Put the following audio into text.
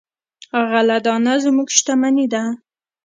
غله دانه زموږ شتمني ده.